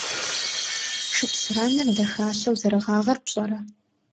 Шыпсыранэр дахащэу зэрыгъагъэр пщӀэрэ?